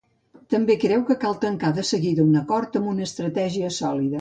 També creu que cal tancar de seguida un acord amb una estratègia sòlida.